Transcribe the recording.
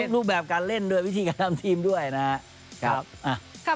รูปแบบการเล่นด้วยวิธีการทำทีมด้วยนะครับ